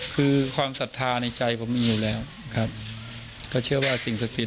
คือความศรัทธาในใจผมมีอยู่แล้วครับก็เชื่อว่าสิ่งศักดิ์สิท